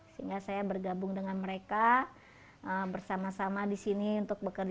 sehingga saya bergabung dengan mereka bersama sama di sini untuk bekerja